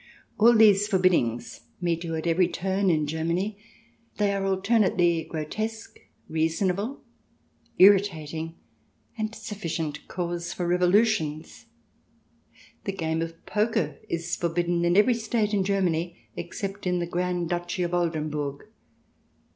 All these for biddings meet you at every turn in Germany ; they are alternately grotesque, reasonable, irritating, and sufficient cause for revolutions. The game of poker is forbidden in every State in Germany except in the Grand Duchy of Oldenburg.